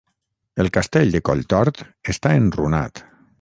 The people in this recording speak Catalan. El castell de Colltort està enrunat.